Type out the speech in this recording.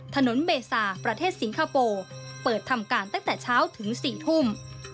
เบซาประเทศสิงคโปร์เปิดทำการตั้งแต่เช้าถึง๔ทุ่ม